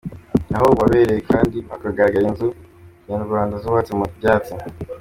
Aho wabereye kandi hagaragara inzu za Kinyarwanda zubatse mu byatsi.